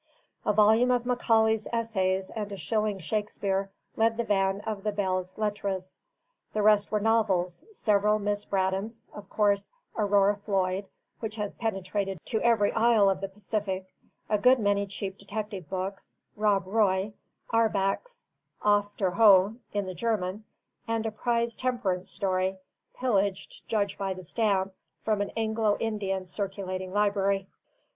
A volume of Macaulay's Essays and a shilling Shakespeare led the van of the belles lettres; the rest were novels: several Miss Braddons of course, Aurora Floyd, which has penetrated to every isle of the Pacific, a good many cheap detective books, Rob Roy, Auerbach's Auf der Hohe in the German, and a prize temperance story, pillaged (to judge by the stamp) from an Anglo Indian circulating library.